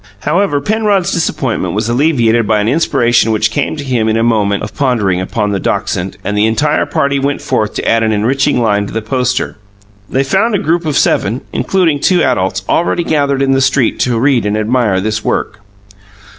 However, Penrod's disappointment was alleviated by an inspiration which came to him in a moment of pondering upon the dachshund, and the entire party went forth to add an enriching line to the poster. They found a group of seven, including two adults, already gathered in the street to read and admire this work.